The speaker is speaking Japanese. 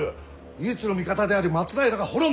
唯一の味方である松平が滅んだ。